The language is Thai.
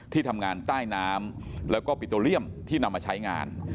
ที่ทำงานใต้น้ำแล้วก็ปิโตเรียมที่นำมาใช้งาน